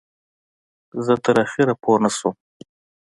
زه تر آخره پوی نه شوم.